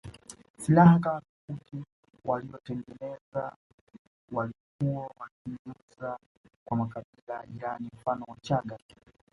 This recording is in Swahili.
Silaha kama mikuki waliyotengeneza walikuwa wakiiuza kwa makabila ya jirani mfano Wachaga